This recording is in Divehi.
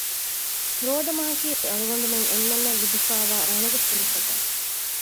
ރޯދަމަހަކީ އަޅުގަނޑުމެން އެންމެންނަށް ލިބިފައިވާ ރަނުގެ ފުރުޞަތެއް